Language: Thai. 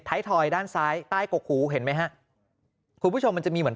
ทอยด้านซ้ายใต้กกหูเห็นไหมฮะคุณผู้ชมมันจะมีเหมือน